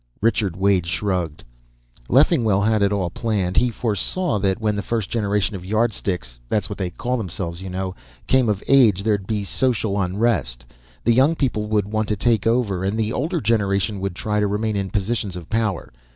Richard Wade shrugged. "Leffingwell had it all planned. He foresaw that when the first generation of Yardsticks that's what they call themselves, you know came of age, there'd be social unrest. The young people would want to take over, and the older generation would try to remain in positions of power.